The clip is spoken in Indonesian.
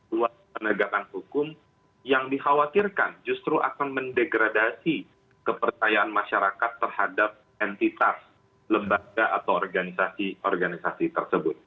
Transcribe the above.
buat penegakan hukum yang dikhawatirkan justru akan mendegradasi kepercayaan masyarakat terhadap entitas lembaga atau organisasi organisasi tersebut